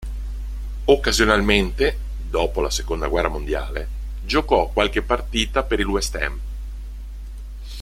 Occasionalmente, dopo la seconda guerra mondiale, giocò qualche partita per il West Ham.